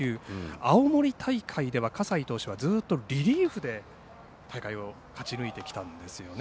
青森大会では葛西投手はずっとリリーフで大会を勝ち抜いてきたんですよね。